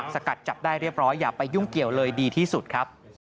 สกัดจับได้เรียบร้อยอย่าไปยุ่งเกี่ยวเลยดีที่สุดครับ